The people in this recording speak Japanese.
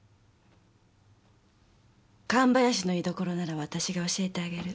神林の居所なら私が教えてあげる。